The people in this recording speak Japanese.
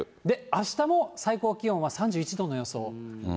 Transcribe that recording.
あしたも最高気温は３１度の予想。